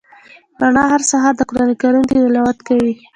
رڼا هر سهار د قران کریم تلاوت کوي.